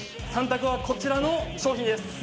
３択は、こちらの商品です。